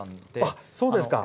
あっそうですか。